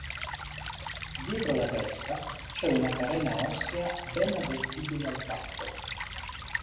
Dietro la testa c'è una carena ossea ben avvertibile al tatto.